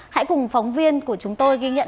hãy cùng phóng viên của chúng tôi ghi nhận